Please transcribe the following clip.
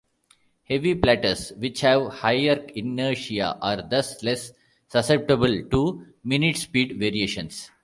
Heavy platters, which have higher inertia, are thus less susceptible to minute speed variations.